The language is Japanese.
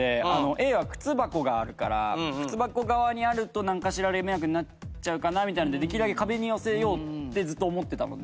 Ａは靴箱があるから靴箱側にあると何かしらで迷惑になっちゃうかなみたいなのでできるだけ壁に寄せようってずっと思ってたので。